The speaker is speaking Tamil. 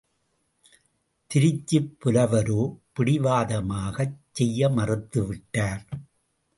திருச்சிப் புலவரோ பிடிவாதமாகச் செய்ய மறுத்துவிட்டார்.